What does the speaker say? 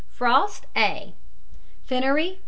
F. FROST, A. FYNNERY, MR.